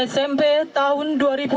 smp tahun dua ribu delapan